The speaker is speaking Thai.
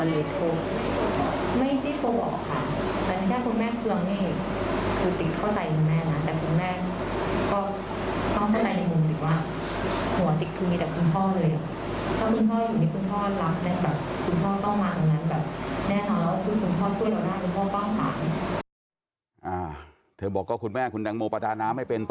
แล้วเรามีคนละบ้าน